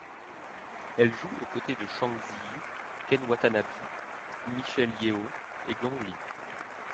Elle joue aux côtés de Zhang Ziyi, Ken Watanabe, Michelle Yeoh et Gong Li.